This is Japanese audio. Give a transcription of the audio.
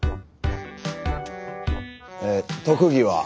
え特技は？